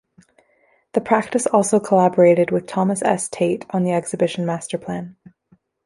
The practice also collaborated with Thomas S. Tait on the Exhibition masterplan.